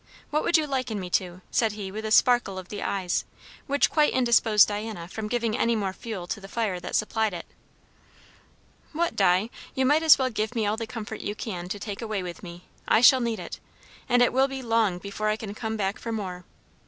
What would you liken me to?" said he with a sparkle of the eyes, which quite indisposed Diana from giving any more fuel to the fire that supplied it. "What, Di? You might as well give me all the comfort you can to take away with me. I shall need it. And it will be long before I can come back for more.